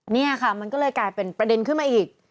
นี่ค่ะมันก็เลยกลายเป็นประเด็นขึ้นมาอีก